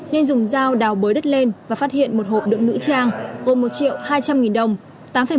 nên dùng dao đào bới đất lên và phát hiện một hộp đựng nữ trang gồm một triệu hai trăm linh nghìn đồng